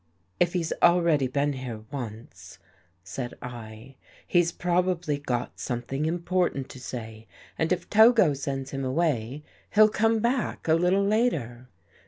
" If he's already been here once," said I, " he's probably got something important to say and if Togo sends him away, he'll come back a little later."